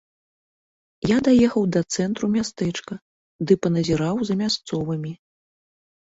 Я даехаў да цэнтру мястэчка ды паназіраў за мясцовымі.